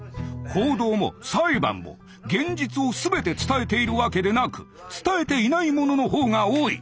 報道も裁判も現実を全て伝えているわけでなく伝えていないものの方が多い。